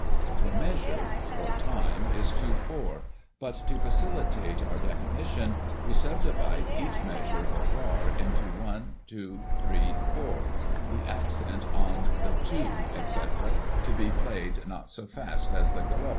The measure, or time, is 2 4; but, to facilitate our defini tion, we subdivide each measure, or bar, into one — two — three — four; the accent on the two, etc., to be played not so fast as the galop.